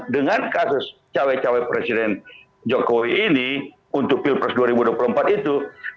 dengan kasus cawe cawe presiden jokowi ini untuk pilpres dua ribu dua puluh empat itu